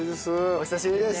お久しぶりです。